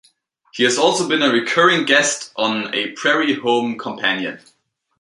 He has also been a recurring guest on "A Prairie Home Companion".